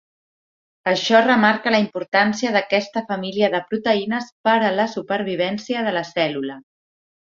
Això remarca la importància d’aquesta família de proteïnes per a la supervivència de la cèl·lula.